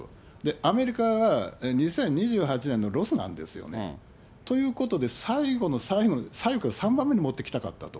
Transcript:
アメリカは２０２８年のロスなんですよね。ということで、最後の最後、最後から３番目に持ってきたかったと。